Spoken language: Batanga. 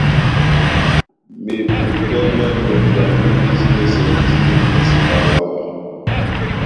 Mepupè myá vyonda mebetidɛsɛndi meseba wah.